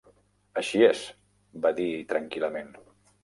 "Així és", va dir tranquil·lament.